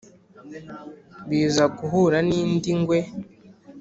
biza guhura n'indi ngwe,